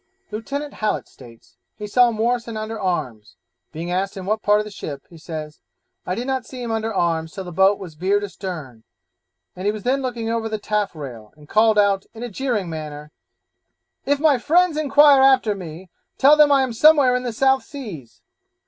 Lieutenant Hallet states, he saw Morrison under arms; being asked in what part of the ship, he says, 'I did not see him under arms till the boat was veered astern, and he was then looking over the taffrail, and called out, in a jeering manner, "If my friends inquire after me, tell them I am somewhere in the South Seas."'